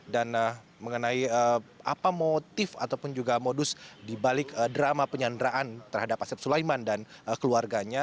dan mengenai apa motif ataupun juga modus dibalik drama penyanderaan terhadap asep sulaiman dan keluarganya